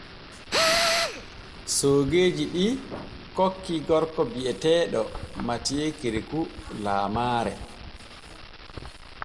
Soogeeji ɗi kokki gorko bi’eteeɗo MATHIEU KEREKOU laamaare.